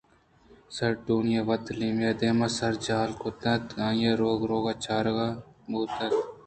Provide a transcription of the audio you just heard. سارٹونیءَ وت ایمیلیا ءِ دیم ءَ سر جہل کُتگ اَت ءُآئیءَ روک روک ءَ چارگ ءَ بوتگ اَت